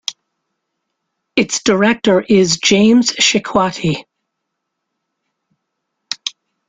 Its director is James Shikwati.